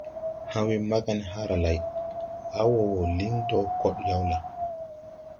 Ha̧ we mbaga ne haara lay, à wɔɔ wɔ liŋ dɔɔ kɔɗ yaw la?